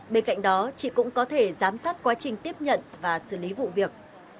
bên cạnh đó chị cũng có thể giám sát quá trình tiếp nhận và xử lý vụ việc